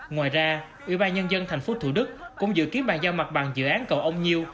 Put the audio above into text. ngoài ra ủy ban nhân dân tp thủ đức cũng dự kiến bàn giao mặt bằng dự án cầu ông nhiêu